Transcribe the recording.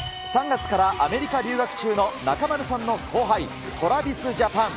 ３月からアメリカ留学中の中丸さんの後輩、トラビスジャパン。